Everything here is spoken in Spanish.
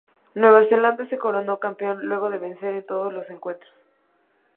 Nueva Zelanda se coronó campeón luego de vencer en todos los encuentros.